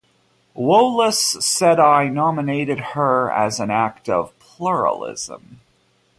Woolas said I nominated her as an act of pluralism.